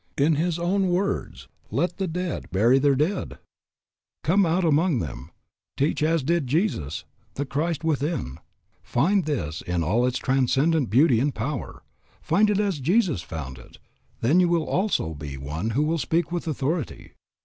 In his own words, "let the dead bury their dead." Come out from among them. Teach as did Jesus, the living Christ. Teach as did Jesus, the Christ within. Find this in all its transcendent beauty and power, find it as Jesus found it, then you also will be one who will speak with authority.